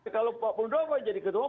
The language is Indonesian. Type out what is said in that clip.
kalau pak muldoko jadi ketua